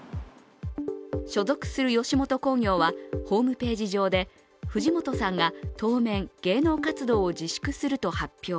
所属する吉本興業はホームページ上で藤本さんが当面、芸能活動を自粛すると発表。